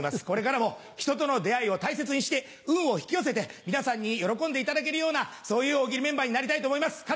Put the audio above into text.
これからも人との出会いを大切にして運を引き寄せて皆さんに喜んでいただけるようなそういう大喜利メンバーになりたいと思います！